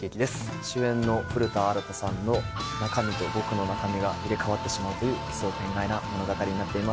主演の古田新太さんの中身と僕の中身が入れ替わってしまうという奇想天外な物語になっています。